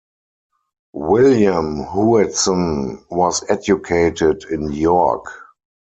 William Hewitson was educated in York.